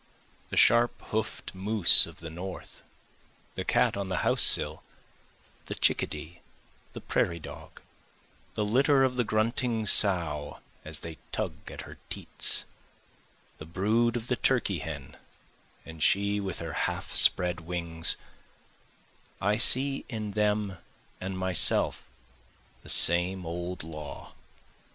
The sharp hoof'd moose of the north, the cat on the house sill, the chickadee, the prairie dog, The litter of the grunting sow as they tug at her teats, The brood of the turkey hen and she with her half spread wings, I see in them and myself the same old law.